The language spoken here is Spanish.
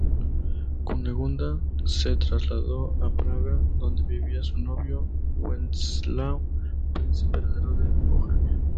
Cunegunda se trasladó a Praga, donde vivía su novio Wenceslao, príncipe heredero de Bohemia.